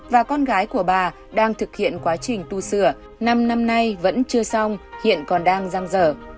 và con gái của bà đang thực hiện quá trình tu sửa năm năm nay vẫn chưa xong hiện còn đang giam dở